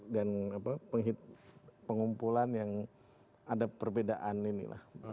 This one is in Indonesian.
dan pengumpulan yang ada perbedaan ini lah